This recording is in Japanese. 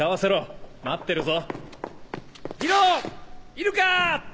いるか！